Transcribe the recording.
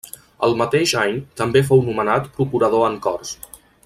El mateix any també fou nomenat procurador en Corts.